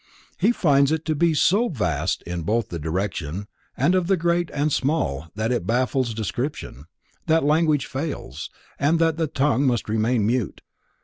He finds it to be so vast in both the direction of the great and small that it baffles description, that language fails, and that the tongue must remain mute.